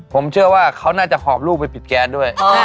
ผมเชื่อว่าเขาน่าจะหอบลูกไปปิดแก๊สด้วย